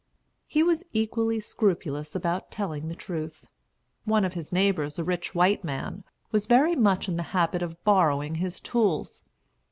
He was equally scrupulous about telling the truth. One of his neighbors, a rich white man, was very much in the habit of borrowing his tools.